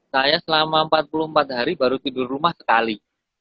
saya selama empat puluh empat hari baru tidur rumah sekali